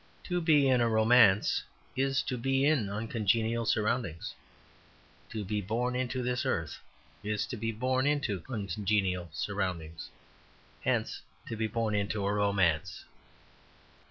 To be in a romance is to be in uncongenial surroundings. To be born into this earth is to be born into uncongenial surroundings, hence to be born into a romance.